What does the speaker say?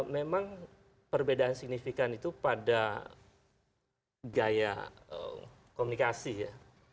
memang perbedaan signifikan itu pada gaya komunikasi ya